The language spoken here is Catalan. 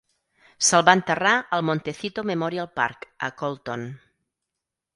Se'l va enterrar al Montecito Memorial Park, a Colton.